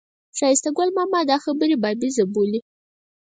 ښایسته ګل ماما دا خبرې بابیزه بولي.